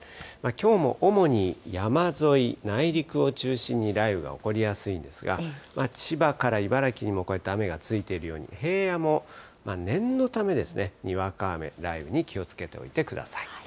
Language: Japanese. きょうも主に山沿い、内陸を中心に雷雨が起こりやすいんですが、千葉から茨城にもこうやって雨がついているように、平野も念のためですね、にわか雨、雷雨に気をつけておいてください。